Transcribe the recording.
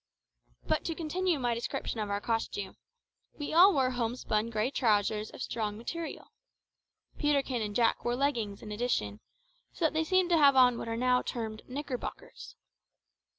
But to continue my description of our costume. We all wore homespun grey trousers of strong material. Peterkin and Jack wore leggings in addition, so that they seemed to have on what are now termed knickerbockers.